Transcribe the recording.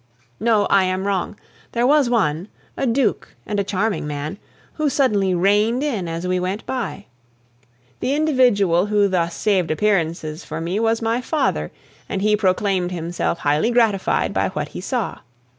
No, I am wrong, there was one a duke, and a charming man who suddenly reined in as we went by. The individual who thus saved appearances for me was my father, and he proclaimed himself highly gratified by what he saw.